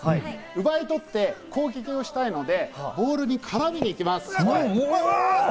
奪い取って、攻撃をしたいので、ボールに絡みに行きます。